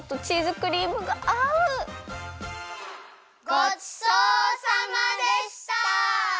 ごちそうさまでした！